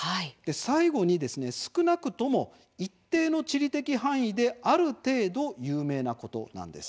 最後に、少なくとも一定の地理的範囲である程度有名なことなんです。